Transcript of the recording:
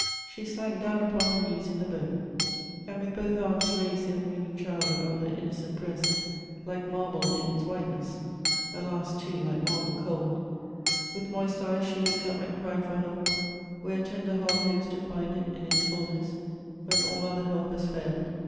She sank down upon her knees in the boat, and with both arms raised the unmoving child above her innocent breast, like mar ble in its whiteness ; alas, too, like marble cold ; with moist eyes she looked up and cried for help, where a tender heart hopes to find it in its fulness, when all other help has failed.